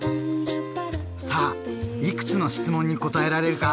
さあいくつの質問に答えられるか？